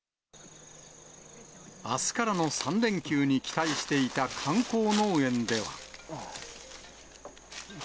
あすからの３連休に期待していた観光農園では。